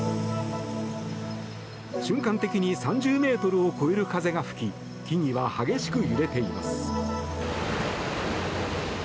瞬間的に３０ｍを超える風が吹き木々は激しく揺れています。